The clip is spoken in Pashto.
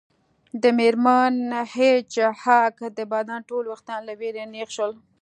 د میرمن هیج هاګ د بدن ټول ویښتان له ویرې نیغ شول